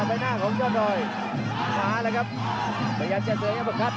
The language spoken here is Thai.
ในหน้าของจอดดอยพยายามจะเสื้ออย่างประคัต